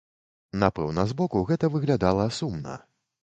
Напэўна, з боку гэта выглядала сумна.